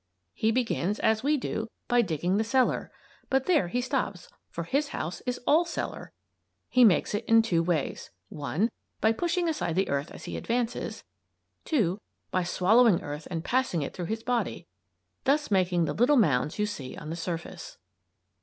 He begins, as we do, by digging the cellar; but there he stops, for his house is all cellar! He makes it in two ways: (1) By pushing aside the earth as he advances; (2) by swallowing earth and passing it through his body, thus making the little mounds you see on the surface.